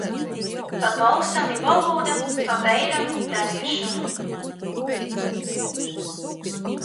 Pa bolsam i volūda, pa veiram dareišona.